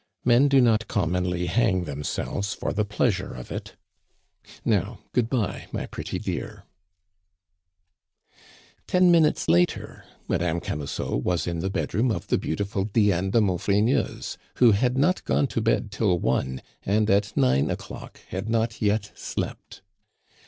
Men do not commonly hang themselves for the pleasure of it. Now, good bye, my pretty dear " Ten minutes later Madame Camusot was in the bedroom of the beautiful Diane de Maufrigneuse, who had not gone to bed till one, and at nine o'clock had not yet slept.